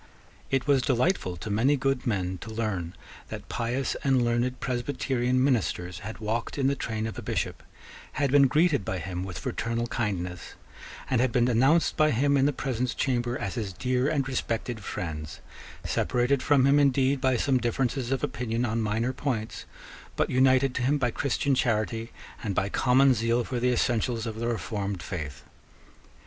It was delightful to many good men to learn that pious and learned Presbyterian ministers had walked in the train of a Bishop, had been greeted by him with fraternal kindness, and had been announced by him in the presence chamber as his dear and respected friends, separated from him indeed by some differences of opinion on minor points, but united to him by Christian charity and by common zeal for the essentials of the reformed faith.